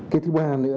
cái thứ ba là